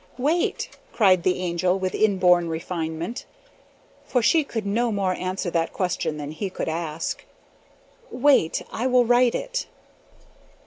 "Wait!" cried the Angel with inborn refinement, for she could no more answer that question than he could ask. "Wait, I will write it!"